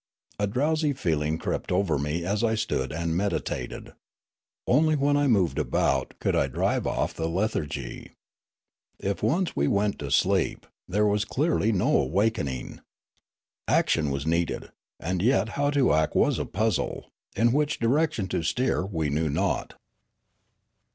A drowsy feeling crept over me as I stood and meditated; only when I moved about could I drive off the lethargy. If once we went to sleep, there was clearly no awaking. Action was needed ; and yet how to act was a puzzle ; in which direction to steer we knew not.